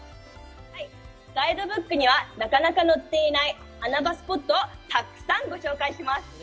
ガイドブックにはなかなか載っていない穴場スポットをたくさんご紹介します。